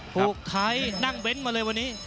ถูกท้ายนั่งเบ้นมาเลยวันนี้